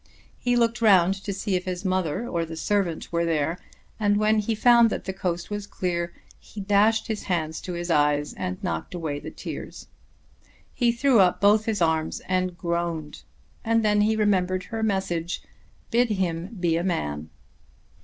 He looked round to see if his mother or the servant were there, and when he found that the coast was clear, he dashed his hands to his eyes and knocked away the tears. He threw up both his arms and groaned, and then he remembered her message, "Bid him be a man."